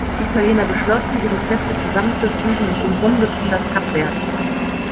Die Italiener beschlossen, ihre Kräfte zusammenzufügen und umrundeten das Cap Vert.